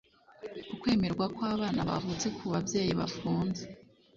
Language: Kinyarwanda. ukwemerwa kw abana bavutse ku babyeyi bafunze